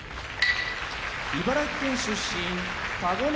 茨城県出身田子ノ